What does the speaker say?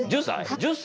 １０歳？